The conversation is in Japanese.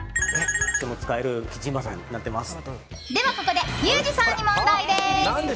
では、ここでユージさんに問題です。